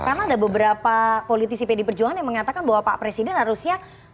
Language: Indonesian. karena ada beberapa politisi pd perjuangan yang mengatakan bahwa pak presiden harusnya